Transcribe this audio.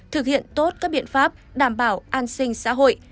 thực hiện tốt các biện pháp đảm bảo an sinh xã hội